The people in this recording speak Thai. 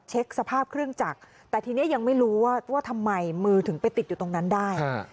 เช็คสภาพเครื่องจักรแต่ทีนี้ยังไม่รู้ว่าทำไมมือถึงไปติดอยู่ตรงนั้นได้